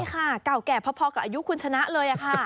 ใช่ค่ะเก่าแก่พอกับอายุคุณชนะเลยค่ะ